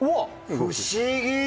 不思議！